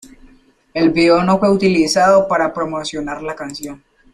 El vídeo no fue utilizado para promocionar la canción.